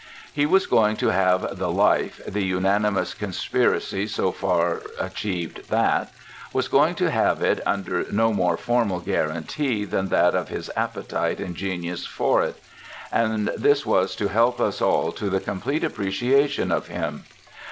He was going to have the life (the unanimous conspiracy so far achieved that), was going to have it under no more formal guarantee than that of his appetite and genius for it; and this was to help us all to the complete appreciation of him.